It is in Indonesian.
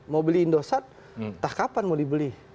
mau beli indosat entah kapan mau dibeli